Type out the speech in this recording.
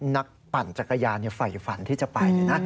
นักปั่นจักรยานไฟฟันที่จะไป